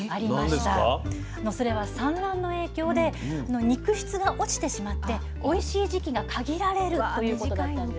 それは産卵の影響で肉質が落ちてしまっておいしい時期が限られるということだったんですね。